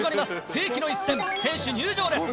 世紀の一戦選手入場です。